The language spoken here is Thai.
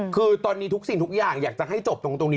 คือตอนนี้ทุกสิ่งทุกอย่างอยากจะให้จบตรงนี้